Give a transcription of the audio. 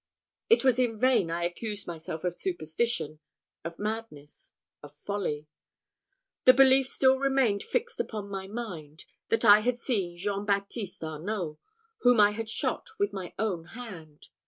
It was in vain I accused myself of superstition, of madness, of folly. The belief still remained fixed upon my mind, that I had seen Jean Baptiste Arnault, whom I had shot with my own hand.